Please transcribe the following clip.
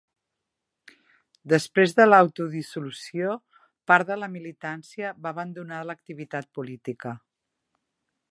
Després de l'autodissolució, part de la militància va abandonar l'activitat política.